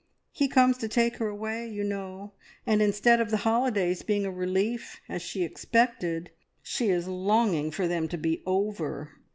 He comes to take her away, you know, and instead of the holidays being a relief, as she expected, she is longing for them to be over.